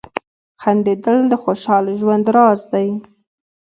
• خندېدل د خوشال ژوند راز دی.